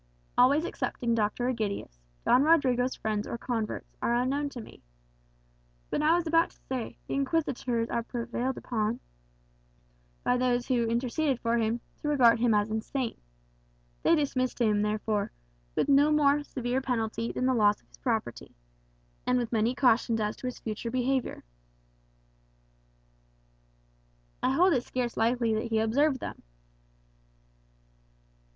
Always excepting Dr. Egidius, Don Rodrigo's friends or converts are unknown to me. But I was about to say, the Inquisitors were prevailed upon, by those who interceded for him, to regard him as insane. They dismissed him, therefore, with no more severe penalty than the loss of his property, and with many cautions as to his future behaviour." "I hold it scarce likely that he observed them."